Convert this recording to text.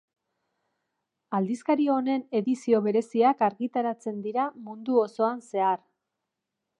Aldizkari honen edizio bereziak argitaratzen dira mundu osoan zehar.